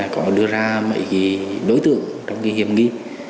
có đưa ra mấy cái đối tượng trong cái hiểm nghi